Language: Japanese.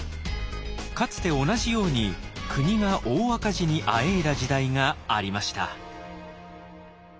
かつて同じように国が大赤字にあえいだ時代がありました。